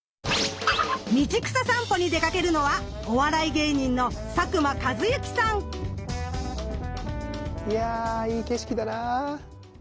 道草さんぽに出かけるのはいやいい景色だな。